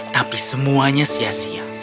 tapi semuanya sia sia